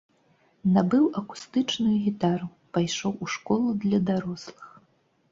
Набыў акустычную гітару, пайшоў у школу для дарослых.